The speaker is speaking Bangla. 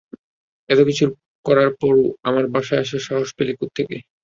এত কিছু করার পরও আমার বাসায় আসার সাহস পেলি কোথ্থেকে?